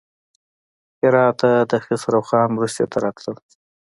هراته د خسروخان مرستې ته راتلل.